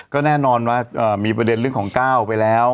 ก็แน่นอนว่ามีประเด็นเรื่องของ๙ไปแล้ว